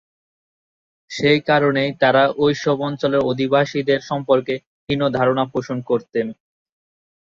সেই কারণেই তারা ওই সব অঞ্চলের অধিবাসীদের সম্পর্কে হীন ধারণা পোষণ করতেন।